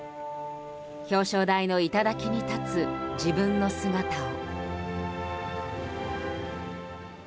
表彰台の頂に立つ自分の姿を。